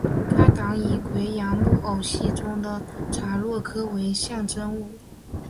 该党以哇扬木偶戏中的查诺科为象征物。